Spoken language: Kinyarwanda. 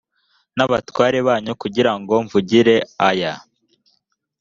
n abatware banyu kugira ngo mvugire aya